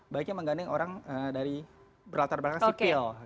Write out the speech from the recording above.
baiknya mengganding orang dari latar belakang sipil